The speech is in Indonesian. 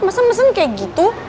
masa mesen kayak gitu